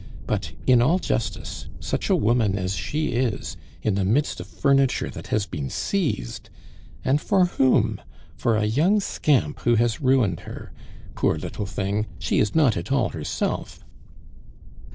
But in all justice such a woman as she is, in the midst of furniture that has been seized! And for whom? For a young scamp who has ruined her. Poor little thing, she is not at all herself."